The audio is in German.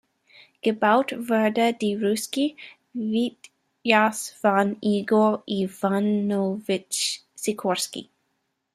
Gebaut wurde die Russki Witjas von Igor Iwanowitsch Sikorski.